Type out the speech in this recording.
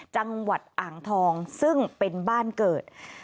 จังหวัดอ่างทองซึ่งเป็นบ้านเกิด